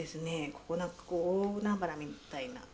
ここなんか大海原みたいな。